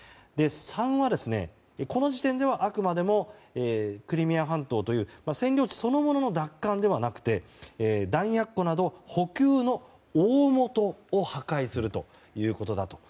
３は、この時点ではあくまでもクリミア半島という占領地そのものの奪還ではなくて弾薬庫など補給の大元を破壊することだと。